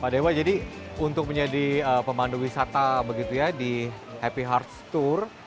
pak dewa jadi untuk menjadi pemandu wisata di happy hearts tour